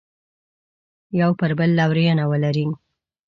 یو پر بل لورینه ولري.